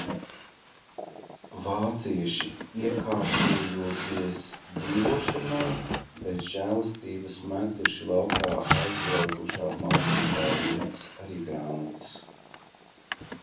Vācieši, iekārtojoties dzīvošanai, bez žēlastības metuši laukā aizbraukušā mācītāja lietas, arī grāmatas.